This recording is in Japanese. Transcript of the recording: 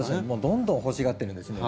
どんどん欲しがってるんですね。